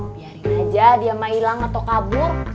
biarin aja dia mah hilang atau kabur